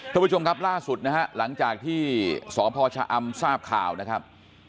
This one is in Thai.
ท่านผู้ชมครับล่าสุดนะฮะหลังจากที่สพชะอำทราบข่าวนะครับ